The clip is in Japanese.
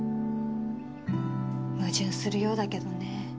矛盾するようだけどね。